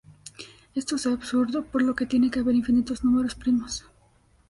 Esto es absurdo, por lo que tiene que haber infinitos números primos.